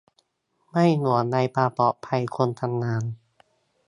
ไม่ห่วงใยความปลอดภัยคนทำงาน